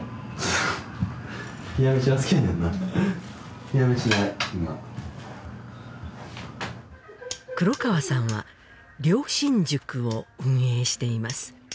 冷や飯が好きやねんな冷や飯で黒川さんは良心塾を運営しています